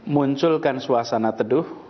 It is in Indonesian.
munculkan suasana teduh